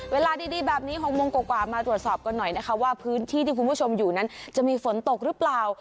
เวลาดีแบบนี้๖โมงกว่ามาตรวจสอบกันหน่อยนะคะว่าพื้นที่ที่คุณผู้ชมอยู่นั้นจะมีฝนตกหรือเปล่า